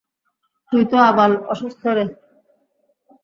তুই তো আবাল অসুস্থ রে।